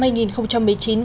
đã được kết thúc